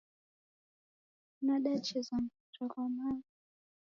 Nadacheza mpira ghwa maghu